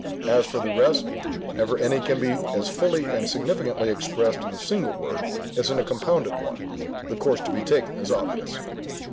As for the rest, whenever any can be as fully and significantly expressed in a single word as in a compounded one, the course to be taken is obvious.